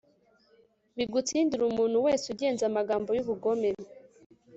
bigutsindire umuntu wese ugenza amagambo y'ubugome